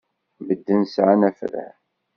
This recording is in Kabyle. Medden sɛan afran.